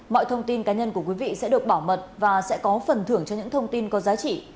mọi thông tin cá nhân của quý vị sẽ được bảo mật và sẽ có phần thưởng cho những thông tin có giá trị